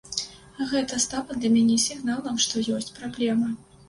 Гэта стала для мяне сігналам, што ёсць праблемы.